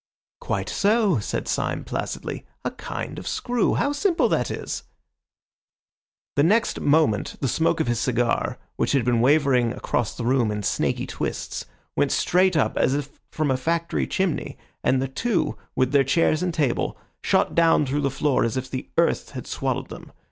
"Quite so," said Syme placidly, "a kind of screw. How simple that is!" The next moment the smoke of his cigar, which had been wavering across the room in snaky twists, went straight up as if from a factory chimney, and the two, with their chairs and table, shot down through the floor as if the earth had swallowed them.